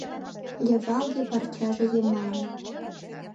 Левалге парчаже йымалне